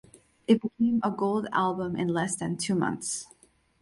It became a gold album in less than two months.